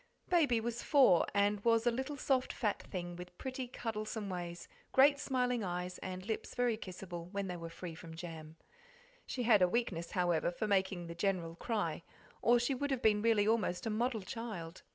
Baby was four, and was a little soft fat thing with pretty cuddlesome ways, great smiling eyes, and lips very kissable when they were free from jam. She had a weakness, however, for making the General cry, or she would have been really almost a model child.